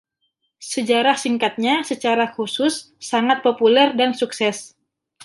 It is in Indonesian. Sejarah singkatnya secara khusus sangat populer dan sukses.